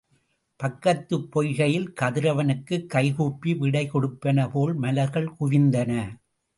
பக்கத்துப் பொய்கையில் கதிரவனுக்குக் கைகூப்பி விடை கொடுப்பன போல மலர்கள் குவிந்தன.